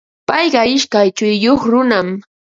Payqa ishkay churiyuq runam.